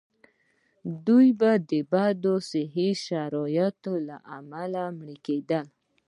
دوی به د بدو صحي شرایطو له امله مړه کېدل.